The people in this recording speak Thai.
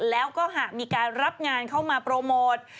แล้วก็หากมีการรับงานเข้ามาโปรโมท